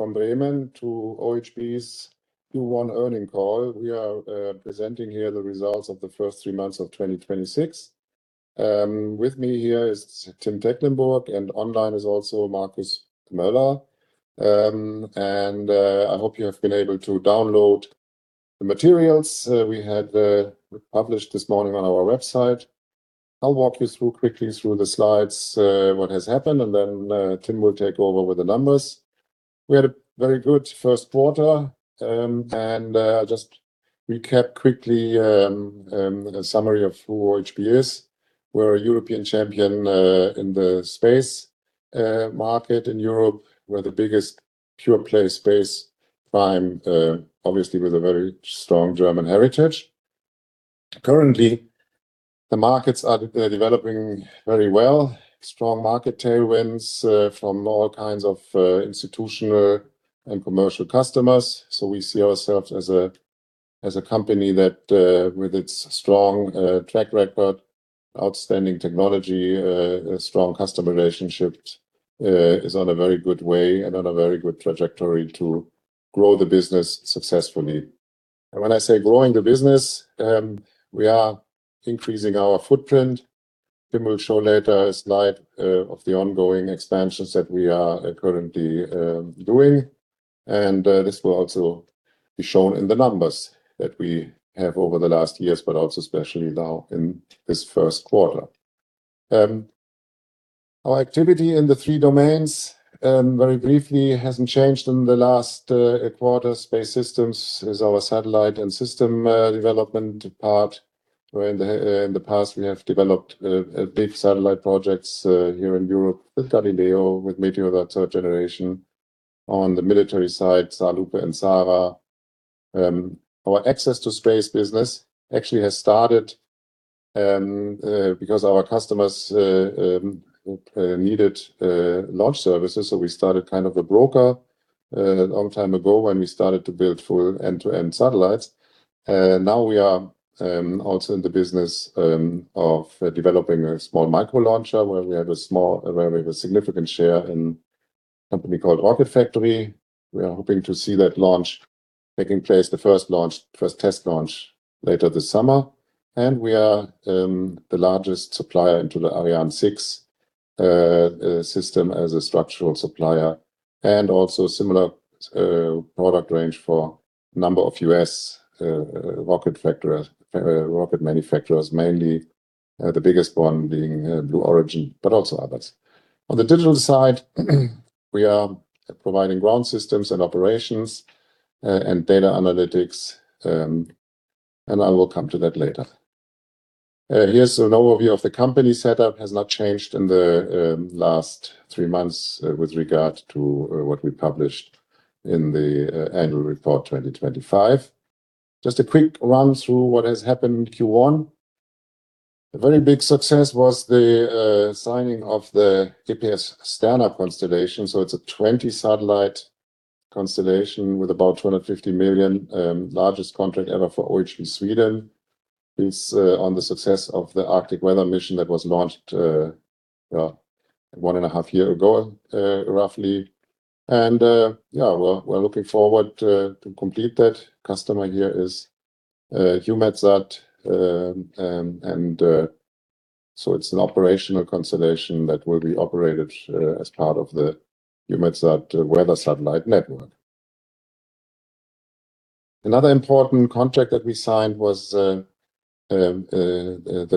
From Bremen to OHB's Q1 earning call. We are presenting here the results of the first three months of 2026. With me here is Tim Tecklenburg, and online is also Markus Moeller. I hope you have been able to download the materials we had published this morning on our website. I'll walk you through, quickly through the slides, what has happened, and then Tim will take over with the numbers. We had a very good first quarter. Just recap quickly a summary of who OHB is. We're a European champion in the space market in Europe. We're the biggest pure play space prime, obviously with a very strong German heritage. Currently, the markets are developing very well. Strong market tailwinds from all kinds of institutional and commercial customers. We see ourselves as a company that, with its strong track record, outstanding technology, strong customer relationships, is on a very good way and on a very good trajectory to grow the business successfully. When I say growing the business, we are increasing our footprint. Tim will show later a slide of the ongoing expansions that we are currently doing. This will also be shown in the numbers that we have over the last years, but also especially now in this first quarter. Our activity in the three domains, very briefly hasn't changed in the last quarter. Space systems is our satellite and system development part, where in the past we have developed big satellite projects here in Europe with Galileo, with Meteosat Third Generation. On the military side, SAR-Lupe and SARah. Our access to space business actually has started because our customers needed launch services, so we started kind of a broker a long time ago when we started to build full end-to-end satellites. Now we are also in the business of developing a small micro launcher, where we have a significant share in company called Rocket Factory. We are hoping to see that launch taking place, the first launch, first test launch later this summer. We are the largest supplier into the Ariane 6 system as a structural supplier, and also similar product range for number of U.S. rocket manufacturers, mainly the biggest one being Blue Origin, but also others. On the digital side, we are providing ground systems and operations, and data analytics, and I will come to that later. Here's an overview of the company setup. Has not changed in the last three months, with regard to what we published in the annual report 2025. Just a quick run through what has happened in Q1. A very big success was the signing of the EPS-Sterna constellation. It was a 20 satellite constellation with about 250 million, largest contract ever for OHB Sweden. It's on the success of the Arctic Weather Satellite that was launched, well, 1.5 years ago, roughly. Yeah, we're looking forward to complete that. Customer here is EUMETSAT. It's an operational constellation that will be operated as part of the EUMETSAT Weather Satellite Network. Another important contract that we signed was the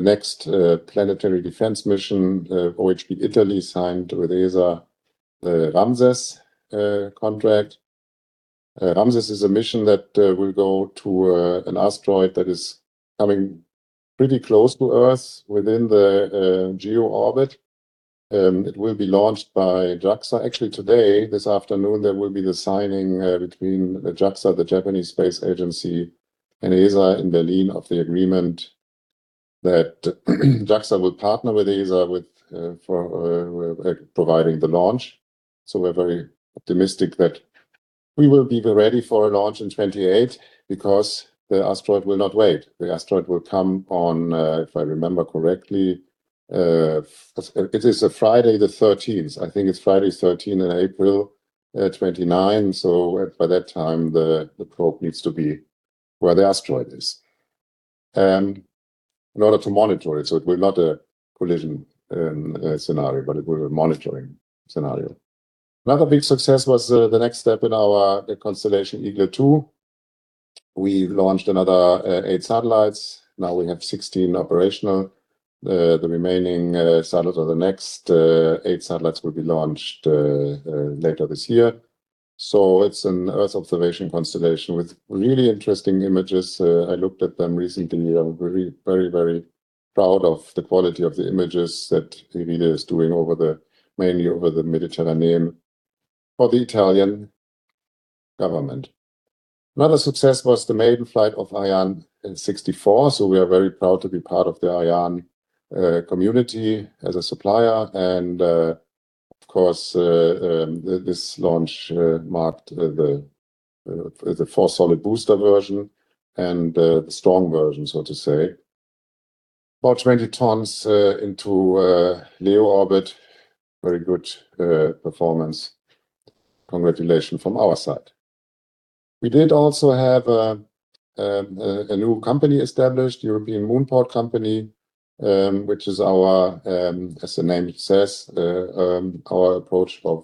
next planetary defense mission. OHB Italia signed with ESA the RAMSES contract. RAMSES is a mission that will go to an asteroid that is coming pretty close to Earth within the geo orbit. It will be launched by JAXA. Actually today, this afternoon, there will be the signing between JAXA, the Japan Aerospace Exploration Agency, and ESA in Berlin of the agreement that JAXA will partner with ESA for providing the launch. We're very optimistic that we will be ready for a launch in 2028 because the asteroid will not wait. The asteroid will come on, if I remember correctly, it is a Friday the 13th. I think it's Friday 13th in April 2029. By that time the probe needs to be where the asteroid is, in order to monitor it. It will not a collision scenario, but it will be monitoring scenario. Another big success was the next step in our, the constellation Eaglet II. We've launched another eight satellites. Now we have 16 operational. The remaining satellites or the next eight satellites will be launched later this year. It's an Earth observation constellation with really interesting images. I looked at them recently. I'm very proud of the quality of the images that the radar is doing over the, mainly over the Mediterranean for the Italian government. Another success was the maiden flight of Ariane 64. we are very proud to be part of the Ariane community as a supplier. of course, this launch marked the four solid booster version and the strong version, so to say. About 20 tons into LEO orbit. Very good performance. Congratulation from our side. We did also have a new company established, European Moonport Company, which is our, as the name says, our approach of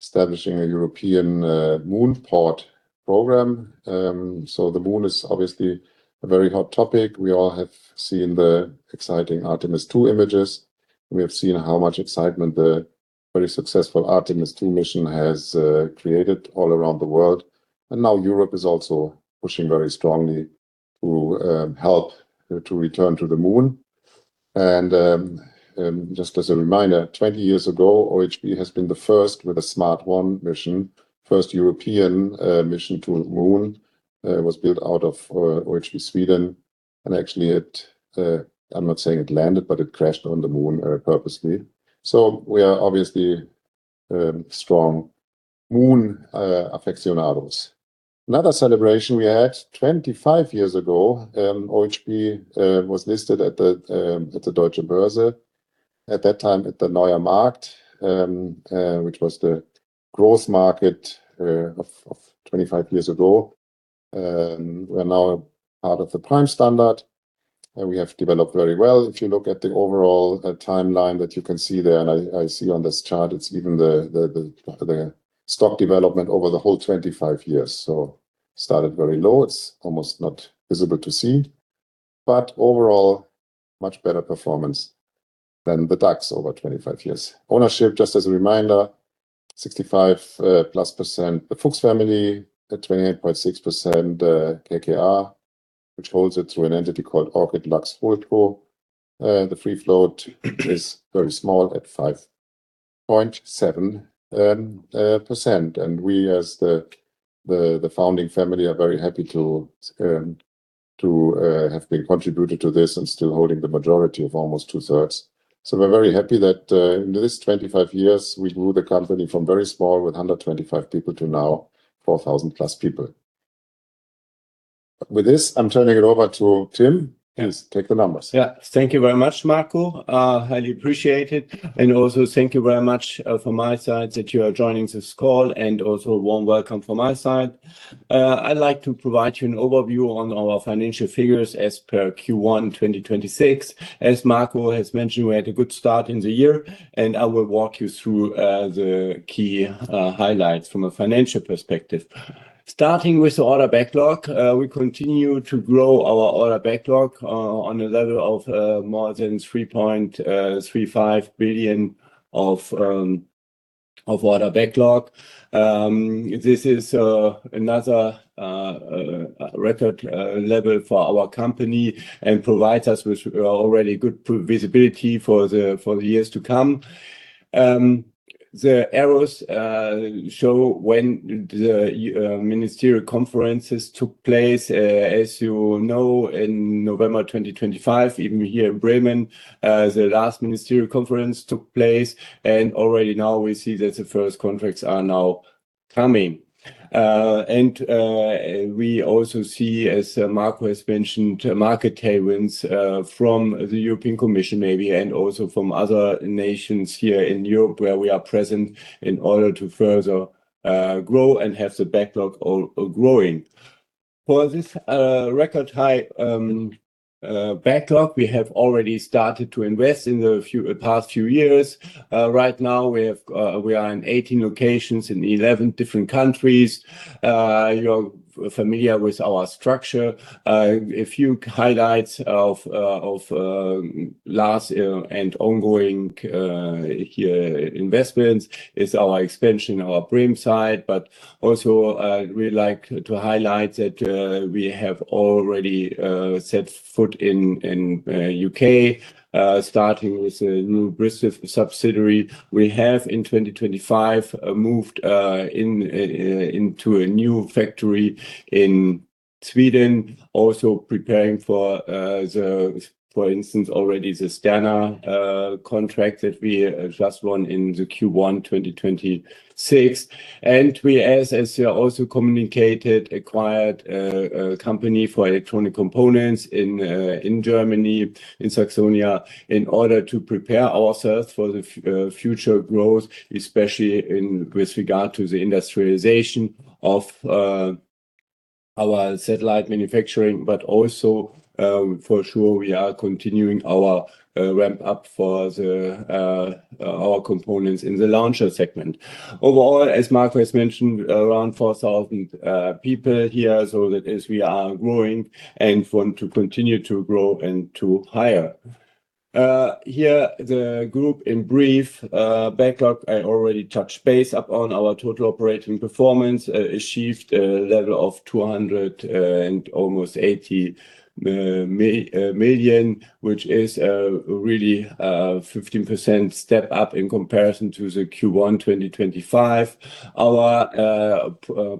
establishing a European Moonport program. the moon is obviously a very hot topic. We all have seen the exciting Artemis II images. We have seen how much excitement the very successful Artemis II mission has created all around the world. Now Europe is also pushing very strongly to help to return to the moon. Just as a reminder, 20 years ago, OHB has been the first with the SMART-1 mission. First European mission to the moon was built out of OHB Sweden. Actually it, I'm not saying it landed, but it crashed on the moon purposely. We are obviously strong moon aficionados. Another celebration we had, 25 years ago, OHB was listed at the Deutsche Börse. At that time at the Neuer Markt, which was the growth market of 25 years ago. We're now part of the Prime Standard, and we have developed very well. If you look at the overall timeline that you can see there, I see on this chart, it's even the stock development over the whole 25 years. Started very low. It's almost not visible to see. Overall, much better performance than the DAX over 25 years. Ownership, just as a reminder, 65+% the Fuchs family. At 28.6% KKR, which holds it through an entity called Orchid Lux Holding. The free float is very small, at 5.7%. We, as the founding family, are very happy to have been contributed to this and still holding the majority of almost 2/3. We're very happy that in this 25 years, we grew the company from very small, with 125 people, to now 4,000+ people. With this, I'm turning it over to Tim. Yes. Please take the numbers. Thank you very much, Marco. Highly appreciate it. Also thank you very much from my side that you are joining this call, and also warm welcome from my side. I'd like to provide you an overview on our financial figures as per Q1 2026. As Marco has mentioned, we had a good start in the year, and I will walk you through the key highlights from a financial perspective. Starting with the order backlog, we continue to grow our order backlog on the level of more than 3.35 billion of order backlog. This is another record level for our company and provides us with already good visibility for the years to come. The arrows show when the ministerial conferences took place. As you know, in November 2025, even here in Bremen, the last ministerial conference took place, already now we see that the first contracts are now coming. We also see, as Marco has mentioned, market tailwinds from the European Commission maybe, and also from other nations here in Europe where we are present in order to further grow and have the backlog all growing. For this record high backlog, we have already started to invest in the past few years. Right now we have, we are in 18 locations in 11 different countries. You're familiar with our structure. A few highlights of last and ongoing investments is our expansion of our Bremen site, but also, we like to highlight that we have already set foot in U.K., starting with a new Bristol subsidiary. We have in 2025 moved into a new factory in Sweden, also preparing for instance, already the Sterna contract that we just won in the Q1 2026. We, as we also communicated, acquired a company for electronic components in Germany, in Saxony, in order to prepare ourselves for future growth, especially with regard to the industrialization of our satellite manufacturing. We are continuing our ramp up for our components in the launcher segment. Overall, as Marco has mentioned, around 4,000 people here, we are growing and want to continue to grow and to hire. Here the group in brief, backlog I already touched base upon our total operating performance achieved a level of 200 and almost 80 million, which is really a 15% step up in comparison to the Q1 2025. Our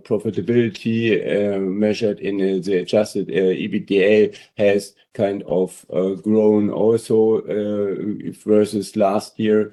profitability measured in the adjusted EBITDA has kind of grown also versus last year,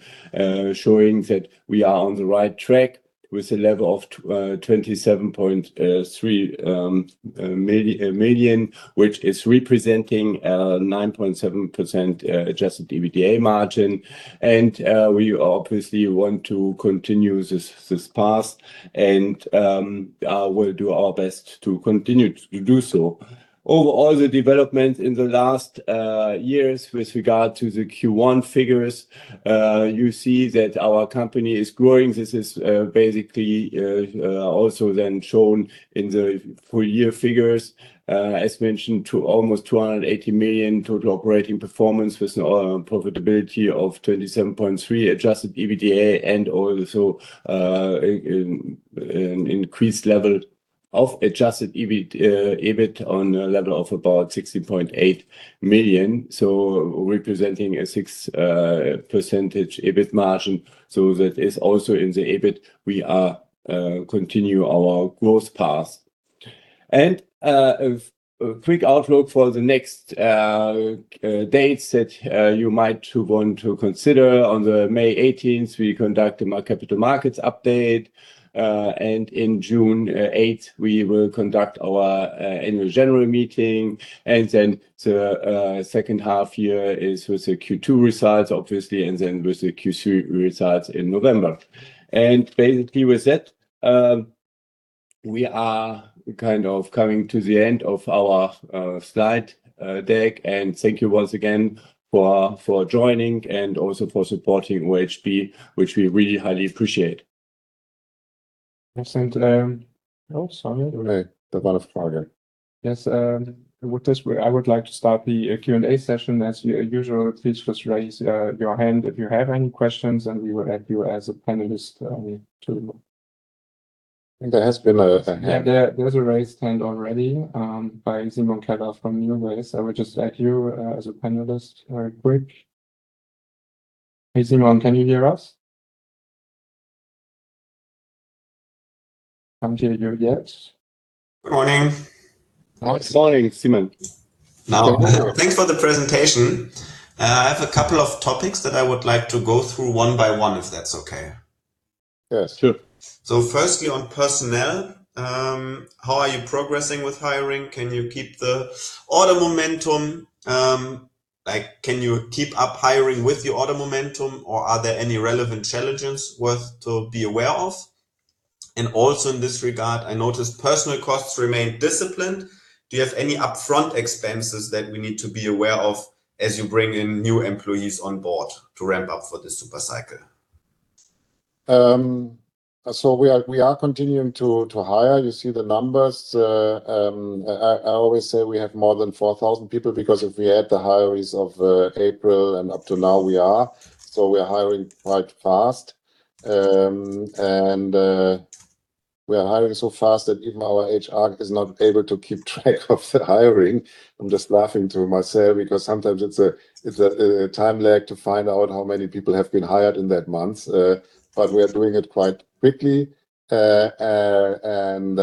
showing that we are on the right track with a level of 27.3 million, which is representing 9.7% adjusted EBITDA margin. We obviously want to continue this path and we'll do our best to do so. Overall, the development in the last years with regard to the Q1 figures, you see that our company is growing. This is basically also then shown in the full year figures, as mentioned, to almost 280 million total operating performance with an overall profitability of 27.3% adjusted EBITDA and also an increased level of adjusted EBIT on a level of about 16.8 million, so representing a 6% EBIT margin. That is also in the EBIT, we continue our growth path. A quick outlook for the next dates that you might want to consider. On May 18th, we conduct a capital markets update. In June 8th, we will conduct our annual general meeting. The second half year is with the Q2 results, obviously, with the Q3 results in November. Basically with that, we are kind of coming to the end of our slide deck. Thank you once again for joining and also for supporting OHB, which we really highly appreciate. Excellent. Oh, sorry. No, go ahead. I thought I was talking. Yes, with this, I would like to start the Q&A session. As usual, please just raise your hand if you have any questions, and we will add you as a panelist. I think there has been a hand. There's a raised hand already by Simon Keller from NuWays. I will just add you as a panelist quick. Hey, Simon, can you hear us? Can't hear you yet. Good morning. Good morning, Simon. Thanks for the presentation. I have a couple of topics that I would like to go through one by one, if that's okay. Yeah, sure. Firstly, on personnel, how are you progressing with hiring? Can you keep the order momentum? Can you keep up hiring with the order momentum, or are there any relevant challenges worth to be aware of? Also in this regard, I noticed personal costs remain disciplined. Do you have any upfront expenses that we need to be aware of as you bring in new employees on board to ramp up for this super cycle? We are continuing to hire. You see the numbers. I always say we have more than 4,000 people because if we add the hires of April and up to now, we are. We are hiring quite fast. We are hiring so fast that even our HR is not able to keep track of the hiring. I'm just laughing to myself because sometimes it's a time lag to find out how many people have been hired in that month. But we are doing it quite quickly. And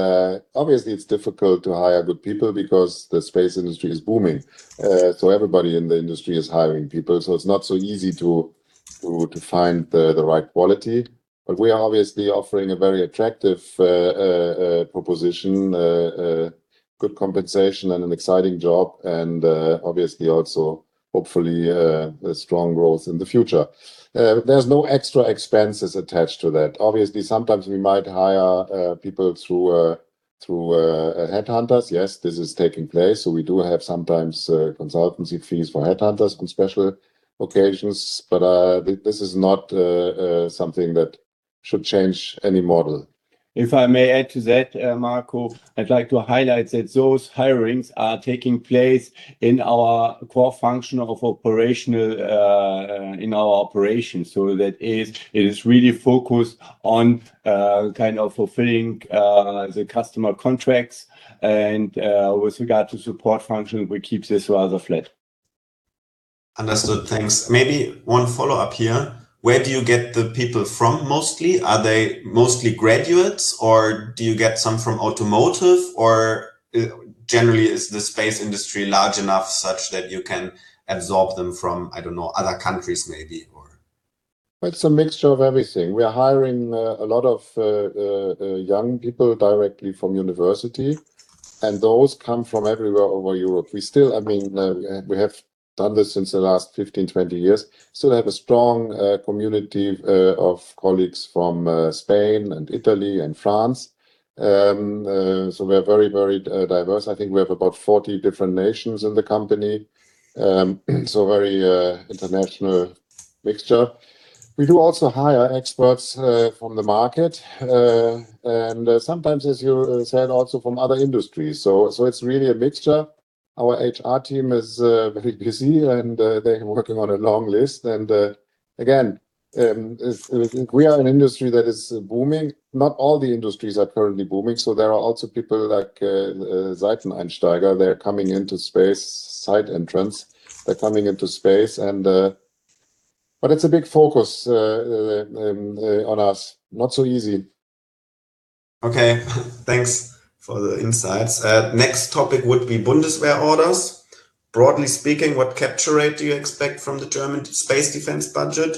obviously it's difficult to hire good people because the space industry is booming. Everybody in the industry is hiring people, so it's not so easy to find the right quality. We are obviously offering a very attractive proposition, good compensation and an exciting job and obviously also hopefully a strong growth in the future. There's no extra expenses attached to that. Obviously, sometimes we might hire people through headhunters. Yes, this is taking place, so we do have sometimes consultancy fees for headhunters on special occasions. This is not something that should change any model. If I may add to that, Marco, I'd like to highlight that those hirings are taking place in our core function of operational, in our operations. It is really focused on kind of fulfilling the customer contracts and with regard to support function, we keep this rather flat. Understood. Thanks. Maybe one follow-up here. Where do you get the people from mostly? Are they mostly graduates, or do you get some from automotive, or generally is the space industry large enough such that you can absorb them from, I don't know, other countries maybe, or? It's a mixture of everything. We are hiring a lot of young people directly from university, and those come from everywhere over Europe. We still, I mean, we have done this since the last 15, 20 years, so we have a strong community of colleagues from Spain and Italy and France. We are very, very diverse. I think we have about 40 different nations in the company. Very international mixture. We do also hire experts from the market. Sometimes, as you said, also from other industries. It's really a mixture. Our HR team is very busy, and they're working on a long list. Again, as we are an industry that is booming, not all the industries are currently booming. There are also people like Quereinsteiger. They're coming into space, side entrance. They're coming into space. It's a big focus on us. Not so easy. Okay. Thanks for the insights. Next topic would be Bundeswehr orders. Broadly speaking, what capture rate do you expect from the German space defense budget?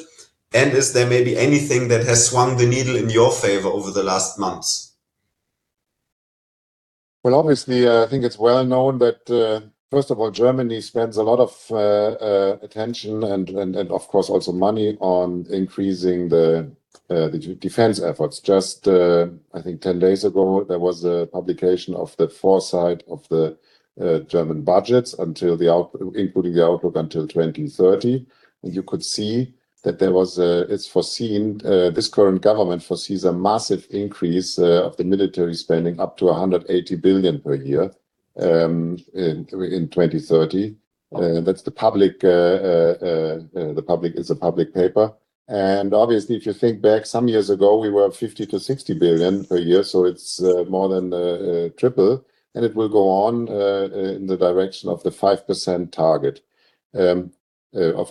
Is there maybe anything that has swung the needle in your favor over the last months? Well, obviously, I think it's well known that, first of all, Germany spends a lot of attention and of course, also money on increasing the defense efforts. Just, I think 10 days ago, there was a publication of the foresight of the German budgets including the outlook until 2030. You could see that there was, it's foreseen, this current government foresees a massive increase of the military spending up to 180 billion per year in 2030. Wow. That's the public, it's a public paper. If you think back some years ago, we were 50 billion-60 billion per year, so it's more than triple. It will go on in the direction of the 5% target of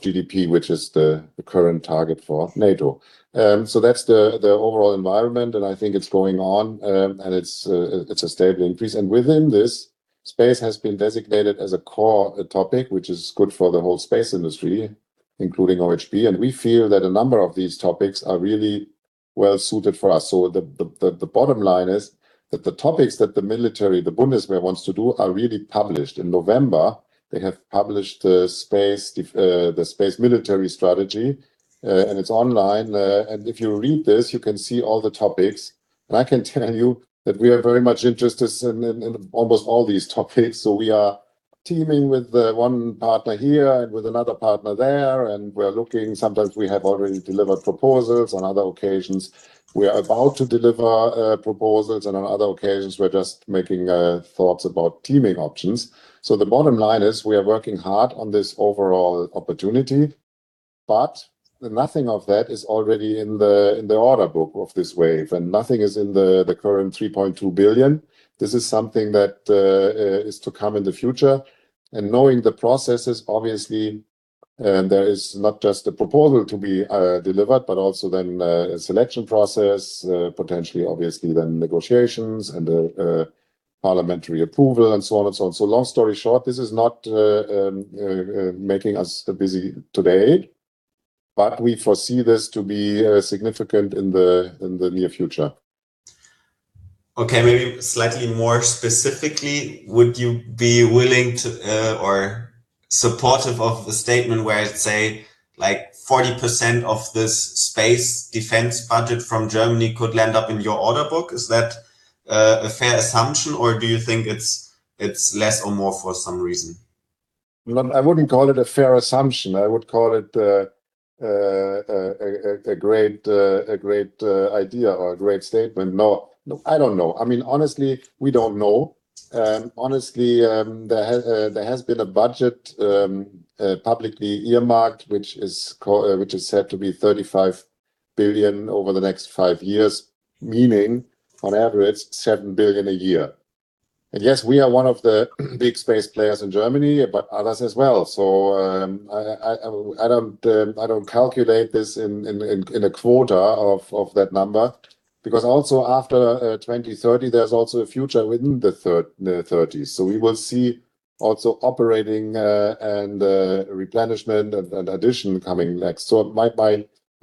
GDP, which is the current target for NATO. That's the overall environment, and I think it's going on. It's a stable increase. Within this, space has been designated as a core topic, which is good for the whole space industry, including OHB. We feel that a number of these topics are really well suited for us. The bottom line is that the topics that the military, the Bundeswehr wants to do are really published. In November, they have published the space military strategy. It's online. If you read this, you can see all the topics. I can tell you that we are very much interested in almost all these topics. We are teaming with one partner here and with another partner there, and we're looking. Sometimes we have already delivered proposals. On other occasions, we are about to deliver proposals. On other occasions, we're just making thoughts about teaming options. The bottom line is we are working hard on this overall opportunity, but nothing of that is already in the order book of this wave, and nothing is in the current 3.2 billion. This is something that is to come in the future. Knowing the processes, obviously, there is not just a proposal to be delivered, but also then a selection process, potentially, obviously, then negotiations and parliamentary approval, and so on and so on. Long story short, this is not making us busy today, but we foresee this to be significant in the near future. Okay. Maybe slightly more specifically, would you be willing to or supportive of the statement where I'd say, like, 40% of this space defense budget from Germany could land up in your order book? Is that a fair assumption, or do you think it's less or more for some reason? Well, I wouldn't call it a fair assumption. I would call it a great idea or a great statement. No, I don't know. I mean, honestly, we don't know. Honestly, there has been a budget publicly earmarked, which is said to be 35 billion over the next five years, meaning on average, 7 billion a year. Yes, we are one of the big space players in Germany, but others as well. I wouldn't, I don't calculate this in a quota of that number. Also after 2030, there's also a future within the 2030s. We will see also operating, and replenishment and addition coming next. My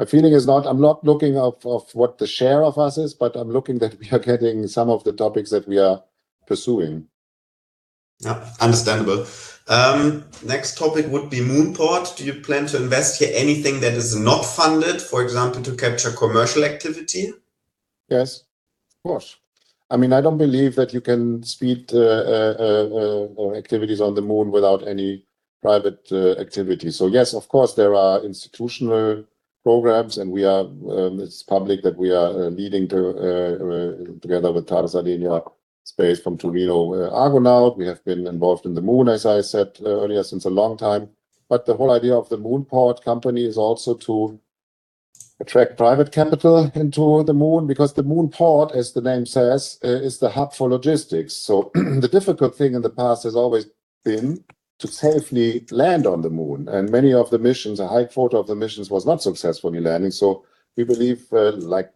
feeling is not, I'm not looking of what the share of us is, but I'm looking that we are getting some of the topics that we are pursuing. Yeah. Understandable. Next topic would be Moonport. Do you plan to invest here anything that is not funded, for example, to capture commercial activity? Yes, of course. I mean, I don't believe that you can speed activities on the moon without any private activity. Yes, of course, there are institutional programs, and we are, it's public that we are leading together with Thales Alenia Space from Torino, Argonaut. We have been involved in the moon, as I said earlier, since a long time. The whole idea of the Moonport company is also to attract private capital into the moon, because the Moonport, as the name says, is the hub for logistics. The difficult thing in the past has always been to safely land on the moon, and many of the missions, a high quarter of the missions was not successful in landing. We believe, like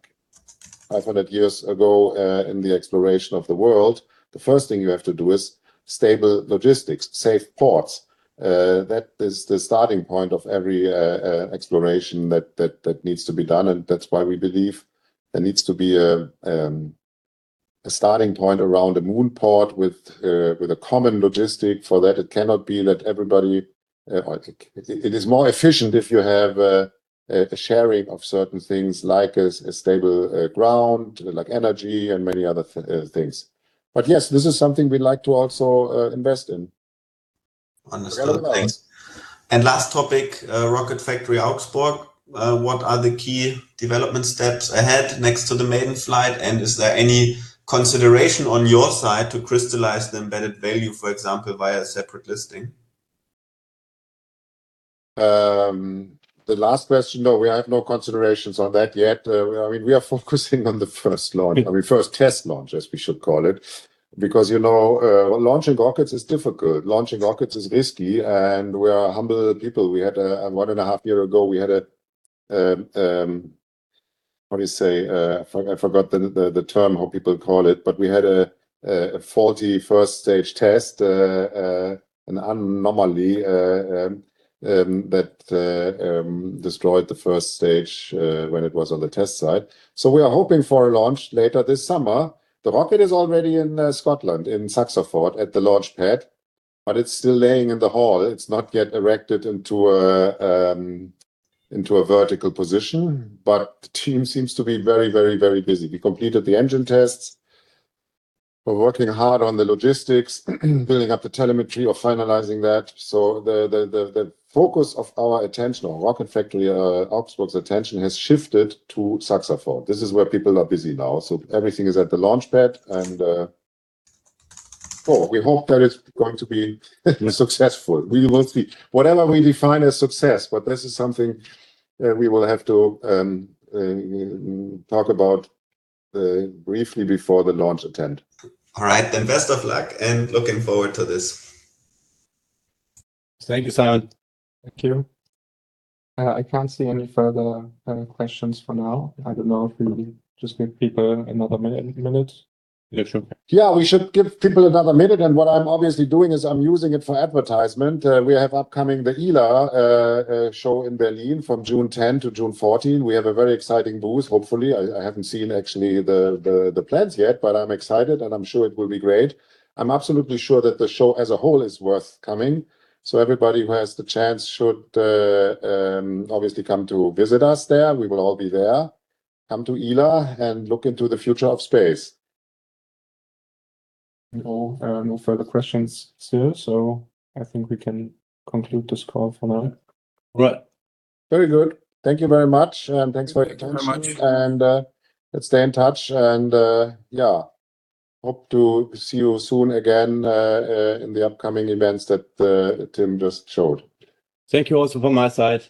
500 years ago, in the exploration of the world, the first thing you have to do is stable logistics, safe ports. That is the starting point of every exploration that needs to be done, and that's why we believe there needs to be a starting point around a Moonport with a common logistic. For that, it cannot be that everybody, or it is more efficient if you have a sharing of certain things like a stable ground, like energy and many other things. Yes, this is something we like to also invest in. Understood. Thanks. Last topic, Rocket Factory Augsburg. What are the key development steps ahead next to the maiden flight? Is there any consideration on your side to crystallize the embedded value, for example, via separate listing? The last question, we have no considerations on that yet. I mean, we are focusing on the first launch. I mean, first test launch, as we should call it. You know, launching rockets is difficult. Launching rockets is risky, we are humble people. We had a 1.5 year ago, we had a, I forgot the term, how people call it, we had a faulty first stage test, an anomaly that destroyed the first stage when it was on the test site. We are hoping for a launch later this summer. The rocket is already in Scotland, in SaxaVord, at the launchpad, it's still laying in the hall. It's not yet erected into a vertical position, but the team seems to be very busy. We completed the engine tests. We're working hard on the logistics, building up the telemetry or finalizing that. The focus of our attention, or Rocket Factory Augsburg's attention, has shifted to SaxaVord. This is where people are busy now. Everything is at the launchpad, and well, we hope that it's going to be successful. We will see. Whatever we define as success, but this is something we will have to talk about briefly before the launch attempt. All right, best of luck, and looking forward to this. Thank you, Simon. Thank you. I can't see any further questions for now. I don't know if we just give people another minute. Yeah, sure. Yeah, we should give people another minute, and what I'm obviously doing is I'm using it for advertisement. We have upcoming the ILA show in Berlin from June 10 to June 14. We have a very exciting booth, hopefully. I haven't seen actually the plans yet, but I'm excited, and I'm sure it will be great. I'm absolutely sure that the show as a whole is worth coming, so everybody who has the chance should obviously come to visit us there. We will all be there. Come to ILA and look into the future of space. No. No further questions, sir, I think we can conclude this call for now. Right. Very good. Thank you very much, and thanks for your attention. Thank you very much. Let's stay in touch, and, yeah, hope to see you soon again, in the upcoming events that, Tim just showed. Thank you also from my side.